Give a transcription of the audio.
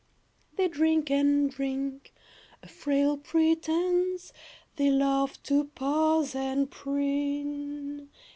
They drink and drink. A frail pretense! They love to pose and preen.